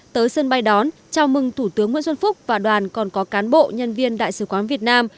tới sân bay đón chào mừng thủ tướng nguyễn xuân phúc và đoàn còn có cán bộ nhân viên đại sứ quán việt nam